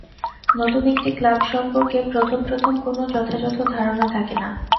নতুন একটি ক্লাব সম্পর্কে প্রথম প্রথম কোনো যথাযথ ধারণা থাকে না।